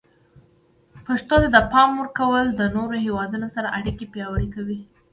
پښتو ته د پام ورکول د نورو هیوادونو سره اړیکې پیاوړي کوي.